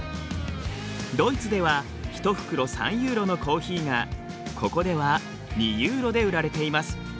ドイツでは１袋３ユーロのコーヒーがここでは２ユーロで売られています。